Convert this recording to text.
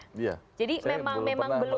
saya yang boleh